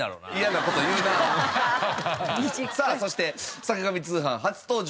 さあそして『坂上通販』初登場